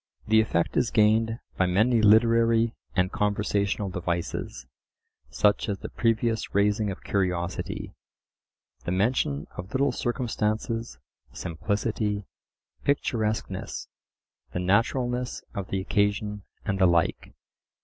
The effect is gained by many literary and conversational devices, such as the previous raising of curiosity, the mention of little circumstances, simplicity, picturesqueness, the naturalness of the occasion, and the like.